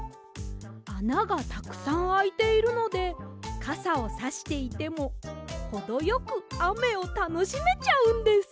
あながたくさんあいているのでかさをさしていてもほどよくあめをたのしめちゃうんです！